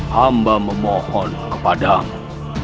hamba memohon kepadamu